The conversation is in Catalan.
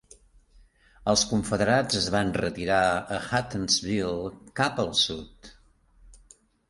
Els confederats es van retirar a Huttonsville, cap al sud.